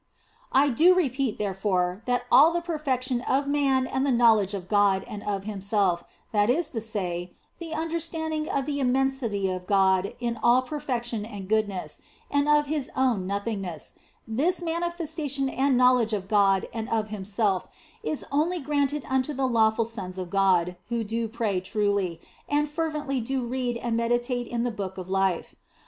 I do repeat, therefore, that all the perfection of man and the knowledge of God and of himself that is to say, the understanding of the immensity of God in all per 52 THE BLESSED ANGELA faction and goodness, and of his own nothingness this manifestation and knowledge of God and of himself is only granted unto the lawful sons of God, who do pray truly, and fervently do read and meditate in the Book of Life.